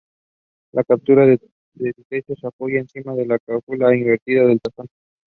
Gertrude Fehr was one of her professors.